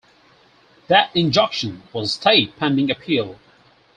That injunction was stayed pending appeal.